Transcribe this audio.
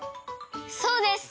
そうです！